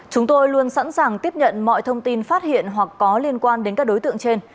chúng tôi luôn sẵn sàng tiếp nhận mọi thông tin phát hiện hoặc có liên quan đến các đối tượng trên